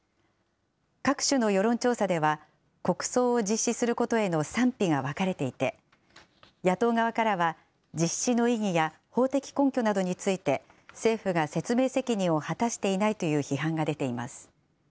各種の世論調査では、国葬を実施することへの賛否が分かれていて、野党側からは実施の意義や法的根拠などについて、政府が説明責任を果たしていないという批判が出ています。